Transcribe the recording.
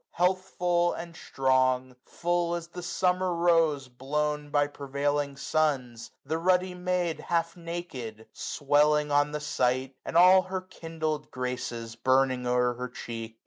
Healthful and strong ; full as the summer rose Blown by prevailing suns, the ruddy maid, 355 Half naked, swelling on the sight, and all Her kindled graces burning o'er her cheek.